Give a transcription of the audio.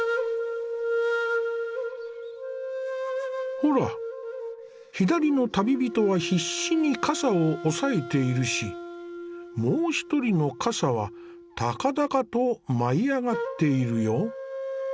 ほら左の旅人は必死に笠を押さえているしもう一人の笠は高々と舞い上がっているよ。